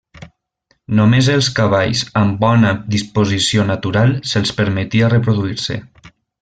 Només els cavalls amb bona disposició natural se'ls permetia reproduir-se.